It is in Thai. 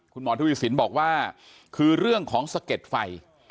คุณหมอทวีสินบอกว่าคือเรื่องของสะเก็ดไฟ